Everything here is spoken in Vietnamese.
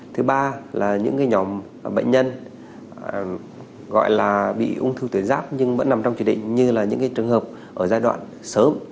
thứ ba là những nhóm bệnh nhân gọi là bị ung thư tới giáp nhưng vẫn nằm trong chế định như là những trường hợp ở giai đoạn sớm